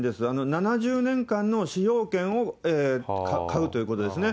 ７０年間の使用権を買うということですね。